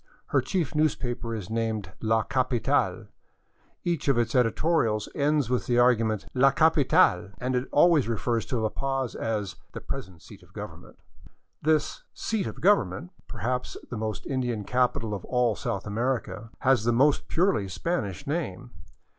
Her chief newspaper is named " La Capital," each of its editorials ends with the argument " La Capital !" and it always refers to La Paz as " the present seat of Government.'* This " seat of Government," perhaps the most Indian capital of all South America, has the most purely Spanish name.